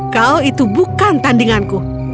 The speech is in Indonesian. kau itu bukan tandinganku